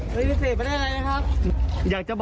ขออนุญาตครับ